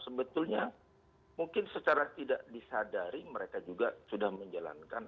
sebetulnya mungkin secara tidak disadari mereka juga sudah menjalankan